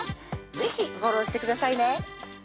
是非フォローしてくださいね